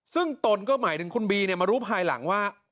ซึ่งตนก็หมายถึงคุณบีมารู้ภายหลังว่า